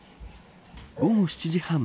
午後７時半。